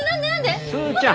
スーちゃん